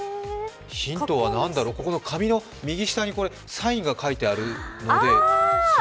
ヒントは何だろう、紙の右下にサインが書いてあるので。